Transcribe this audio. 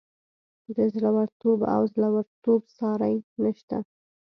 د زړه ورتوب او زورورتوب ساری نشته.